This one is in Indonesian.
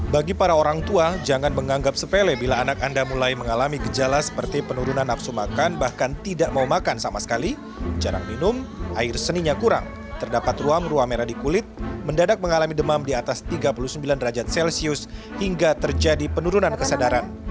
bagi para orang tua jangan menganggap sepele bila anak anda mulai mengalami gejala seperti penurunan nafsu makan bahkan tidak mau makan sama sekali jarang minum air seninya kurang terdapat ruam ruam merah di kulit mendadak mengalami demam di atas tiga puluh sembilan derajat celcius hingga terjadi penurunan kesadaran